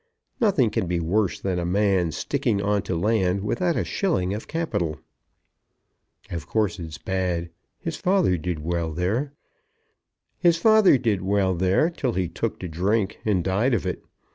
Nothing can be worse than a man sticking on to land without a shilling of capital." "Of course it's bad. His father did very well there." "His father did very well there till he took to drink and died of it.